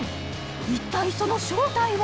一体その正体は？